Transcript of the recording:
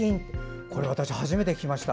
これ私、初めて聞きました